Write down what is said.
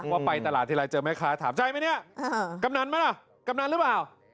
ว่าไปตลาดทีไรเจอแม่ค้าถามใช่ไหมเนี่ยกำนันไหมล่ะกำนันหรือเปล่า